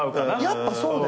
やっぱそうだよね。